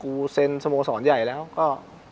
เซ็นสโมสรใหญ่แล้วก็